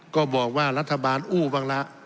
ก็บอกว่ารัฐบาลอู้บ้างละ